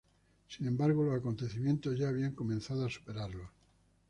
Sin embargo, los acontecimientos ya habían comenzado a superarlos.